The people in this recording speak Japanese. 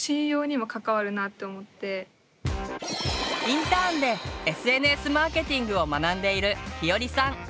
インターンでＳＮＳマーケティングを学んでいるひよりさん。